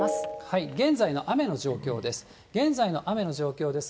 現在の雨の状況です。